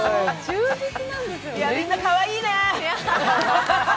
みんなかわいいねー。